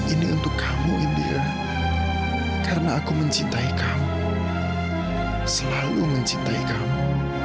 ini untuk kamu india karena aku mencintai kamu selalu mencintai kamu